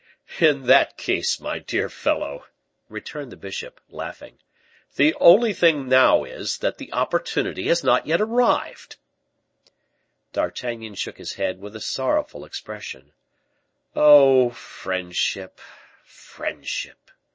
"In that case, my dear fellow," returned the bishop, laughing, "the only thing now is, that the 'opportunity' has not yet arrived." D'Artagnan shook his head with a sorrowful expression. "Oh, friendship, friendship!"